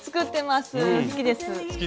好きです。